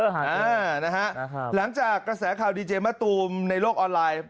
หลังจากกระแสข่าวดีเจมะตูมในโลกออนไลน์